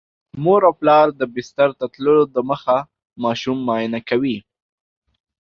مور او پلار د بستر ته تللو دمخه ماشوم معاینه کوي.